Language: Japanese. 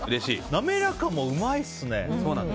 なめらかもうまいっすね。